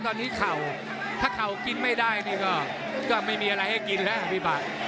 ตอนนี้เข่าถ้าเข่ากินไม่ได้นี่ก็ไม่มีอะไรให้กินแล้วพี่บัตร